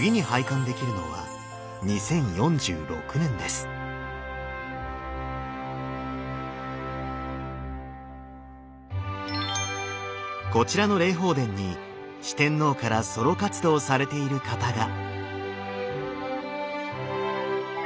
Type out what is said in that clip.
ちなみにこちらの霊宝殿に四天王からソロ活動されている方が。